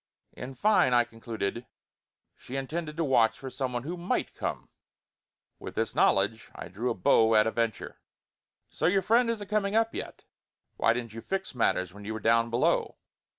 In fine I concluded, she intended to watch for some one who might come; with this knowledge I drew a bow at a venture: "So your friend isn't coming up yet? Why didn't you fix matters when you were down below?"